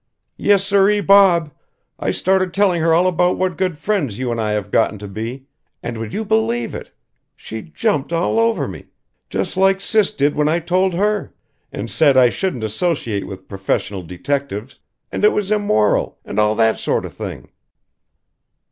"Yes siree bob! I started telling her all about what good friends you and I have gotten to be and would you believe it! she jumped all over me just like Sis did when I told her and said I shouldn't associate with professional detectives and it was immoral and all that sort of thing."